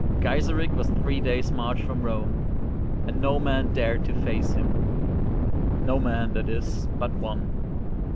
Gaiseric was three days' march from Rome, and no man dared to face him; no man, that is, but one.